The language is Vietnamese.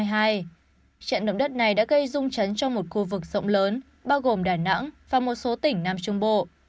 trận động đất này đã gây rung trắng cho một khu vực rộng lớn bao gồm đà nẵng và một số tỉnh nam trung bộ